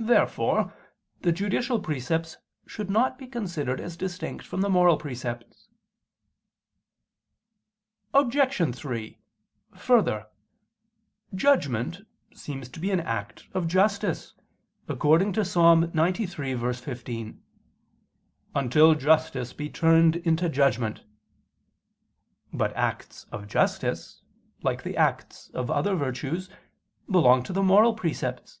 Therefore the judicial precepts should not be considered as distinct from the moral precepts. Obj. 3: Further, judgment seems to be an act of justice, according to Ps. 93:15: "Until justice be turned into judgment." But acts of justice, like the acts of other virtues, belong to the moral precepts.